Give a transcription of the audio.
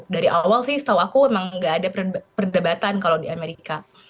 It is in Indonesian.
dari awal sih setahu aku emang gak ada perdebatan kalau di amerika